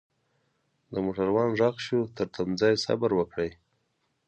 دموټروان ږغ شو ترتمځای صبروکړئ.